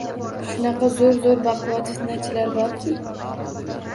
Shunaqa zo‘r-zo‘r baquvvat fitnachilar borki